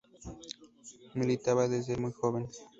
Militaba desde muy joven.